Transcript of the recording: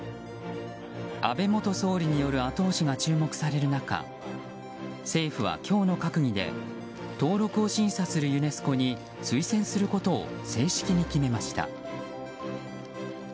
安倍元総理による後押しが注目される中政府は今日の閣議で登録を審査するユネスコに推薦することを正式に決めました。